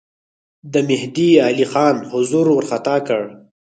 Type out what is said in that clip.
د مهدی علي خان حضور وارخطا کړ.